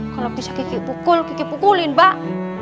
kalau bisa gigi pukul gigi pukulin mbak